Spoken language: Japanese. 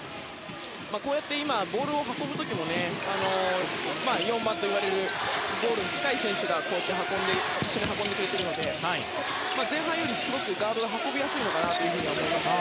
ボールを運ぶ時も４番といわれるゴールに近い選手が一緒に運んでくれるので前半より、すごくガードが運びやすいのかなと思いますね。